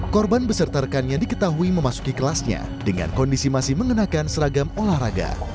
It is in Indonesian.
korban beserta rekannya diketahui memasuki kelasnya dengan kondisi masih mengenakan seragam olahraga